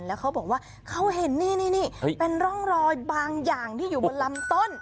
แล้วเขาบอกว่าเขาเห็นนี่เป็นร่องรอยบางอย่างที่อยู่บนลำต้น